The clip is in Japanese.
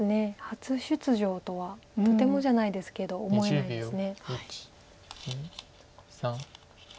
初出場とはとてもじゃないですけど思えないです。